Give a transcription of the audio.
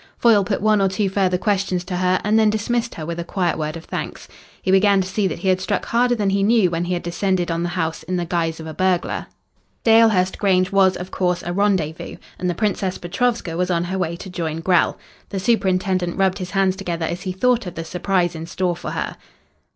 Foyle put one or two further questions to her and then dismissed her with a quiet word of thanks. He began to see that he had struck harder than he knew when he had descended on the house in the guise of a burglar. Dalehurst Grange was, of course, a rendezvous, and the Princess Petrovska was on her way to join Grell. The superintendent rubbed his hands together as he thought of the surprise in store for her.